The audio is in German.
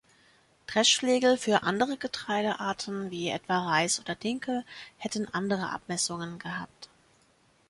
Dreschflegel für andere Getreidearten, wie etwa Reis oder Dinkel, hätten andere Abmessungen gehabt.